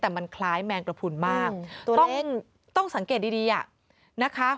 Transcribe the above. แต่มันคล้ายแมงกระพุนมากต้องสังเกตดีอ่ะนะคะ